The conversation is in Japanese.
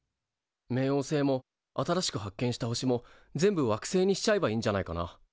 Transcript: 冥王星も新しく発見した星も全部惑星にしちゃえばいいんじゃないかな。